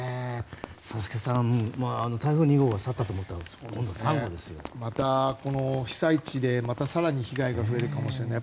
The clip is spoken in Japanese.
佐々木さん、台風２号が去ったと思ったらまた、この被災地でまた更に被害が増えるかもしれない。